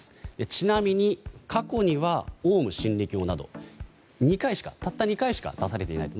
ちなみに、過去にはオウム真理教などたった２回しか出されていないと。